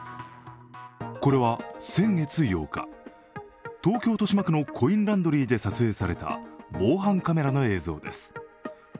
これは先月８日、東京・豊島区のコインランドリーで撮影された防犯カメラの映像です。